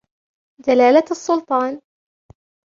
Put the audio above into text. جلالـــــــــــــــــة الـسلطــــــــــان